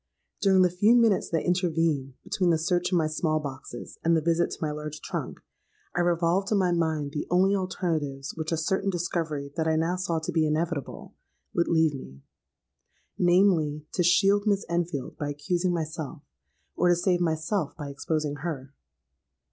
During the few minutes that intervened between the search in my small boxes and the visit to my large trunk, I revolved in my mind the only alternatives which a certain discovery that I now saw to be inevitable, would leave me: namely, to shield Miss Enfield by accusing myself; or to save myself by exposing her.